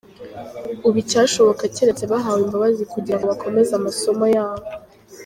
Ubu icyashoboka keretse bahawe imbabazi kugira ngo bakomeze amasomo yabo.